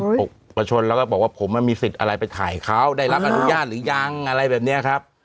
หกประชนแล้วก็บอกว่าผมมันมีสิทธิ์อะไรไปถ่ายเขาได้รับอนุญาตหรือยังอะไรแบบเนี้ยครับ